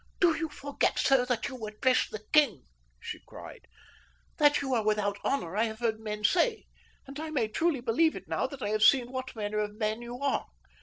"Do you forget, sir, that you address the king?" she cried. "That you are without honor I have heard men say, and I may truly believe it now that I have seen what manner of man you are.